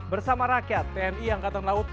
bersama rakyat tni angkatan laut